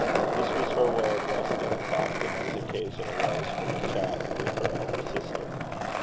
This was her way of resting as often as occasion arose for a chat with her elder sister.